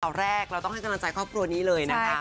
แรกเราต้องให้กำลังใจครอบครัวนี้เลยนะคะ